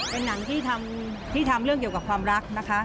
เป็นหนังที่ทำเรื่องเกี่ยวกับความรักนะคะ